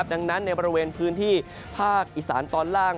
ดังนั้นในบริเวณพื้นที่ภาคอีสานตอนล่าง